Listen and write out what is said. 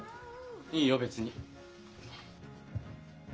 いいよ別に。